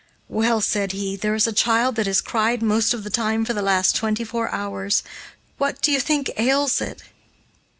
"Well," said he, "there is a child that has cried most of the time for the last twenty four hours. What do you think ails it?"